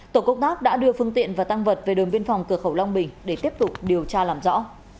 tổ công tác đã đưa phương tiện và tăng vật về đồn biên phòng cửa khẩu long bình để tiếp tục điều tra làm rõ